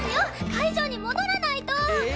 会場に戻らないと！え？